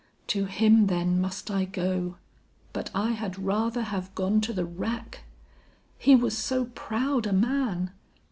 To him, then, must I go; but I had rather have gone to the rack. He was so proud a man!